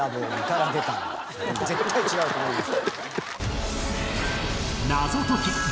絶対違うと思います。